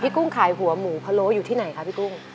กุ้งขายหัวหมูพะโล้อยู่ที่ไหนคะพี่กุ้ง